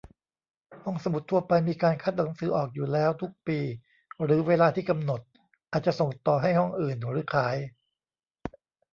ห้องสมุดทั่วไปมีการคัดหนังสือออกอยู่แล้ว ทุกปีหรือเวลาที่กำหนด อาจจะส่งต่อให้ห้องอื่น หรือขาย